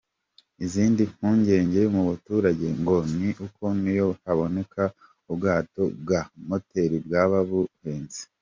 Izindi mpungenge mu baturage ngo ni uko niyo haboneka ubwato bwa moteri bwaba buhenze.